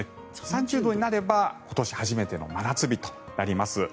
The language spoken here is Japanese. ３０度になれば今年初めての真夏日となります。